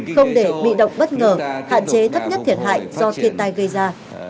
không để bị động bất ngờ hạn chế thấp nhất thiệt hại do thiên tai gây ra